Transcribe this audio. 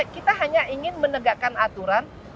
kita hanya ingin menegakkan aturan